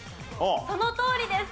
そのとおりです。